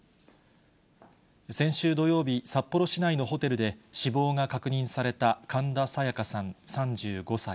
先週土曜日、札幌市内のホテルで死亡が確認された神田沙也加さん３５歳。